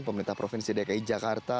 pemerintah provinsi dki jakarta